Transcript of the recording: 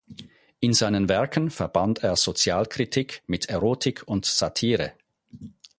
In seinen Werken verband er Sozialkritik mit Erotik und Satire.